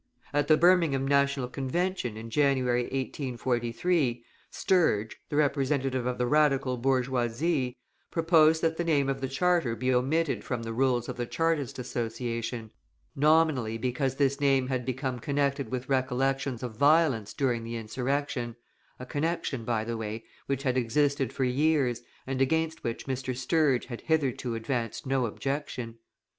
At the Birmingham National Convention, in January, 1843, Sturge, the representative of the Radical bourgeoisie, proposed that the name of the Charter be omitted from the rules of the Chartist Association, nominally because this name had become connected with recollections of violence during the insurrection, a connection, by the way, which had existed for years, and against which Mr. Sturge had hitherto advanced no objection.